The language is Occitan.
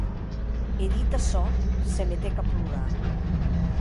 E dit açò, se metec a plorar.